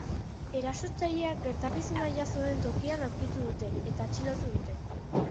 Erasotzailea gertakizuna jazo den tokian aurkitu dute eta atxilotu dute.